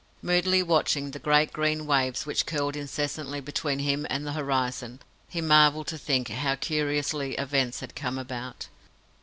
Moodily watching the great green waves which curled incessantly between him and the horizon, he marvelled to think how curiously events had come about.